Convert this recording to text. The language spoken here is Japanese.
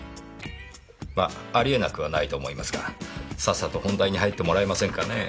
ま有り得なくはないと思いますがさっさと本題に入ってもらえませんかねえ。